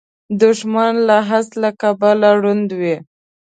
دښمن د حسد له کبله ړوند وي